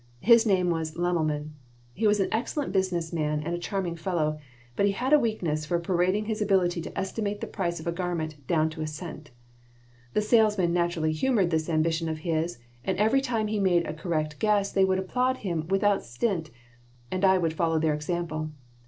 His name was Lemmelmann. He was an excellent business man and a charming fellow, but he had a weakness for parading his ability to estimate the price of a garment "down to a cent." The salesmen naturally humored this ambition of his and every time he made a correct guess they would applaud him without stint, and I would follow their example.